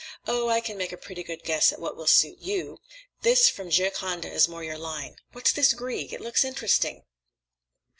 Oh, I can make a pretty good guess at what will suit you! This from 'Gioconda' is more in your line. What's this Grieg? It looks interesting.